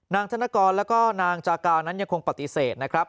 ธนกรแล้วก็นางจากานั้นยังคงปฏิเสธนะครับ